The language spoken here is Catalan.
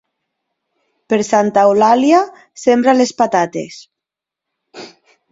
Per Santa Eulàlia sembra les patates.